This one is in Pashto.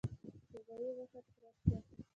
د غوايي غوښه سره شوه.